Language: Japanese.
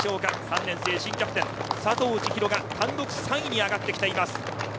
３年生新キャプテン佐藤千紘が単独３位に上がっています。